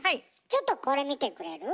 ちょっとこれ見てくれる？